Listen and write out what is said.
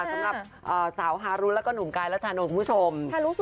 สำหรับสาวฮารุแล้วก็หนุ่มกายรัชนนท์คุณผู้ชม